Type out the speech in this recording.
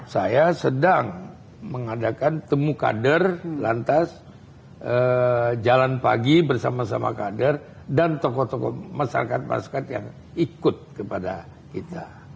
saya sedang mengadakan temu kader lantas jalan pagi bersama sama kader dan tokoh tokoh masyarakat masyarakat yang ikut kepada kita